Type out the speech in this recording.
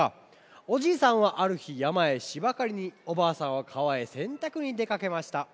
おじいさんはあるひやまへしばかりにおばあさんはかわへせんたくにでかけました。